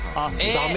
ダメ